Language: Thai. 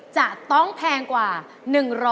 จะต้องแพงกว่า๑๒๙บาท